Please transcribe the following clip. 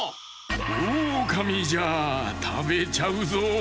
オオカミじゃたべちゃうぞ。